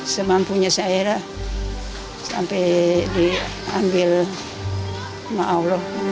semampunya saya sampai diambil maaf